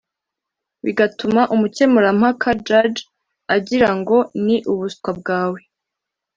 bigatuma umukemurampaka (Judge) agira ngo ni ubuswa bwawe